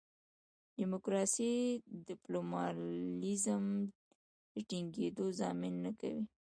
ډیموکراسي د پلورالېزم د ټینګېدو ضامن نه کوي.